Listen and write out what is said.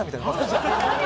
何？